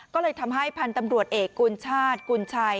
ก็เลยทำให้พันธุ์ตำรวจเอกกุญชาติกุญชัย